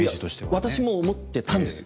私も思ってたんです。